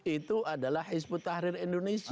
itu adalah hizbut tahrir indonesia